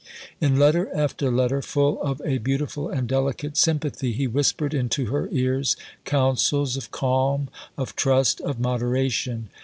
In letter after letter, full of a beautiful and delicate sympathy, he whispered into her ears counsels of calm, of trust, of moderation.